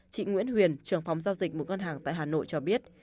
chị nguyễn huyền trưởng phòng giao dịch một ngân hàng tại hà nội cho biết